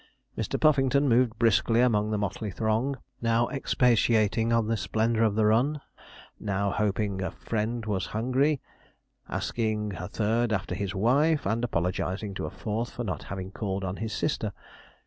Mr. Puffington moved briskly among the motley throng, now expatiating on the splendour of the run, now hoping a friend was hungry, asking a third after his wife, and apologizing to a fourth for not having called on his sister.